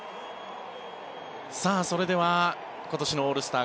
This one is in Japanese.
それでは、今年のオールスター